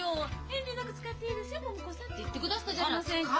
「遠慮なく使っていいですよ桃子さん」って言ってくださったじゃありませんか。